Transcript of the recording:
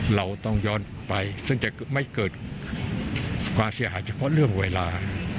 เราต้องย้อนไปซึ่งจะไม่เกิดความเสียหายเฉพาะเรื่องเวลา